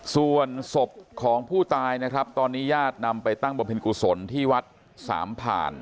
ส่วนศพของผู้ตายนะครับตอนนี้ญาตินำไปตั้งบำเพ็ญกุศลที่วัดสามผ่าน